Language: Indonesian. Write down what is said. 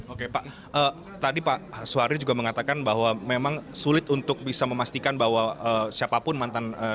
oke pak tadi pak suhari juga mengatakan bahwa memang sulit untuk bisa memastikan bahwa siapapun mantan